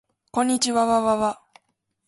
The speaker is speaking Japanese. こんにちわわわわ